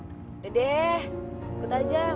yaudah deh ikut aja